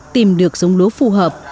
tìm được giống lúa phù hợp